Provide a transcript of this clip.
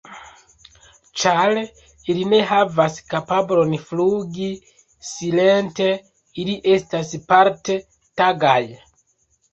Ĉar ili ne havas kapablon flugi silente, ili estas parte tagaj.